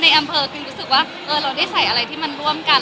อำเภอพิมรู้สึกว่าเราได้ใส่อะไรที่มันร่วมกัน